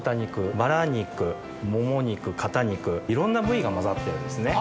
バラ肉モモ肉肩肉いろんな部位が混ざってるんですね。